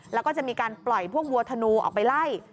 แล้วก็จะมีการปล่อยพวกวัวธนูออกไปไล่